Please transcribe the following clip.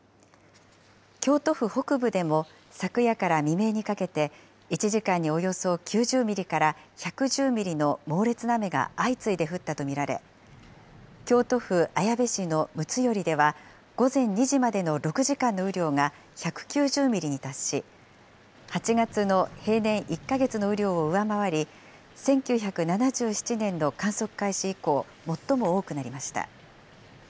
京都府北部でも、昨夜から未明にかけて、１時間におよそ９０ミリから１１０ミリの猛烈な雨が相次いで降ったと見られ、京都府綾部市の睦寄では、午前２時までの６時間の雨量が１９０ミリに達し、８月の平年１か月の雨量を上回り、１９７７年の観測開始以降、最も多くなりました。